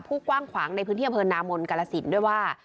ผู้กว้างขวางในพื้นเที่ยวเผินนามนกรสินด์ด้วยว่า